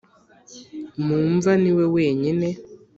mu mva Ni we wenyine